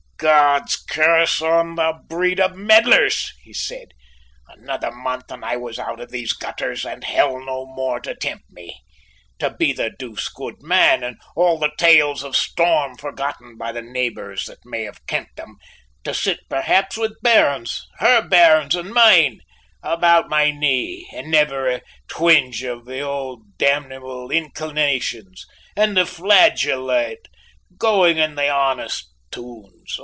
"God's curse on the breed of meddlers!" he said. "Another month and I was out of these gutters and hell no more to tempt me. To be the douce good man, and all the tales of storm forgotten by the neighbours that may have kent them; to sit perhaps with bairns her bairns and mine about my knee, and never a twinge of the old damnable inclinations, and the flageolet going to the honestest tunes.